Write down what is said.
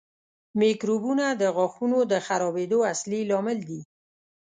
میکروبونه د غاښونو د خرابېدو اصلي لامل دي.